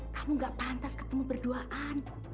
kamu gak pantas ketemu berduaan